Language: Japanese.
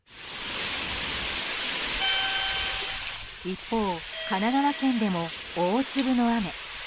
一方、神奈川県でも大粒の雨。